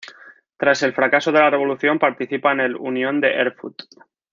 Tras el fracaso de la revolución, participa en la Unión de Erfurt.